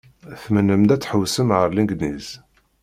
Tmennam-d ad tḥewwsem ar Legniz.